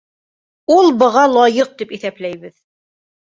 Ул быға лайыҡ, тип иҫәпләйбеҙ.